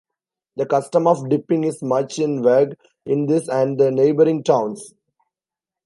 The custom of Dipping is much in vogue in this and the neighboring towns.